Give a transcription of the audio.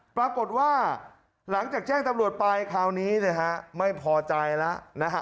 ปรากฏว่าหลังจากแจ้งตำรวจไปคราวนี้นะฮะไม่พอใจแล้วนะฮะ